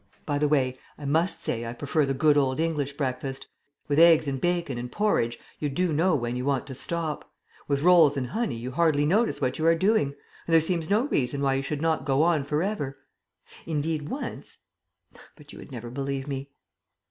By the way, I must say I prefer the good old English breakfast. With eggs and bacon and porridge you do know when you want to stop; with rolls and honey you hardly notice what you are doing, and there seems no reason why you should not go on for ever. Indeed, once ... but you would never believe me.